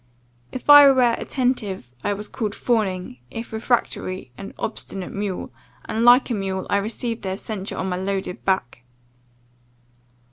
If I were attentive, I was called fawning, if refractory, an obstinate mule, and like a mule I received their censure on my loaded back.